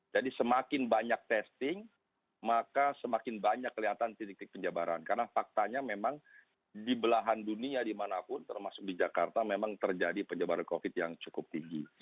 jadi semakin banyak testing maka semakin banyak kelihatan titik titik penyebaran karena faktanya memang di belahan dunia dimanapun termasuk di jakarta memang terjadi penyebaran covid yang cukup tinggi